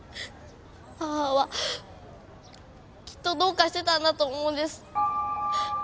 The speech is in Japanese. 母はきっとどうかしてたんだと思うんです